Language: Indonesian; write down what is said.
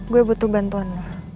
gue butuh bantuan lo